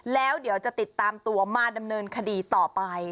แล้วเดี๋ยวจะติดตามตัวมาดำเนินคดีต่อไป